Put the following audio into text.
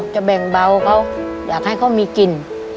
แบ่งเบาเขาอยากให้เขามีกิน